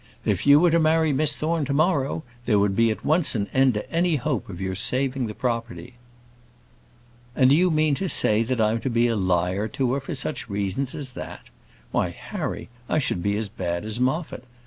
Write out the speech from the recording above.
If you were to marry Miss Thorne to morrow, there would at once be an end to any hope of your saving the property." "And do you mean to say I'm to be a liar to her for such reasons as that? Why, Harry, I should be as bad as Moffat.